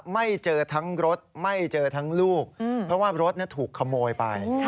ไม่เจอทั้งรถไม่เจอทั้งลูกเพราะว่ารถถูกขโมยไป